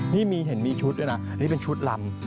นี่มีเห็นมีชุดด้วยนะนี่เป็นชุดลำ